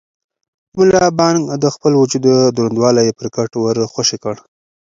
ملا بانګ د خپل وجود دروندوالی پر کټ ور خوشې کړ.